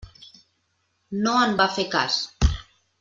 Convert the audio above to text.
No en va fer cas.